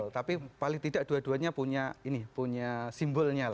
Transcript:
tapi paling tidak dua duanya punya ini punya simbolnya